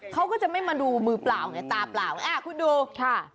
เขาก็จะไม่มาดูมือเปล่าตาเปล่าพูดดู